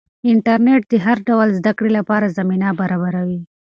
انټرنیټ د هر ډول زده کړې لپاره زمینه برابروي.